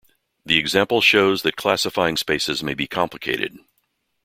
This example shows that classifying spaces may be complicated.